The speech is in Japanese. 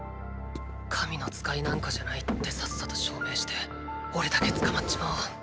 神の使いなんかじゃないってさっさと証明しておれだけ捕まっちまおう。